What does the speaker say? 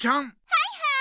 はいはい！